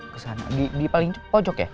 kesana di paling pojok ya